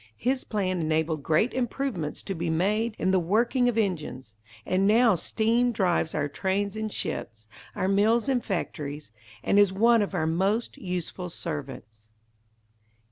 His plan enabled great improvements to be made in the working of engines, and now steam drives our trains and ships, our mills and factories, and is one of our most useful servants.